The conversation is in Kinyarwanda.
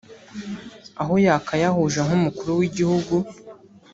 aho yakayahuje nk’umukuru w’igihugu